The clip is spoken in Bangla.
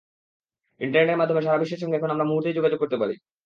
ইন্টারনেটের মাধ্যমে সারা বিশ্বের সঙ্গে এখন আমরা মুহূর্তেই যোগাযোগ করতে পারি।